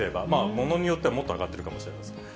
ものによってはもっと上がっているかもしれません。